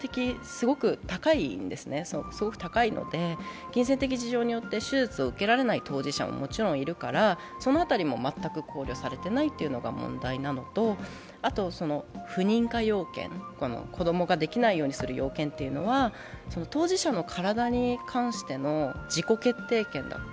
すごく高いので金銭的事情によって金銭的に事情によって手術を受けられない当事者ももちろんいるから、その辺りも全く考慮されてないというのが問題なのと、あと不妊化要件、子供ができないようにする要件というのは、当事者の体に関しての自己決定権